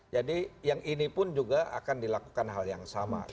jadi yang ini pun juga akan dilakukan hal yang sama